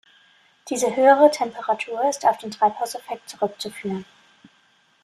Diese höhere Temperatur ist auf den Treibhauseffekt zurückzuführen.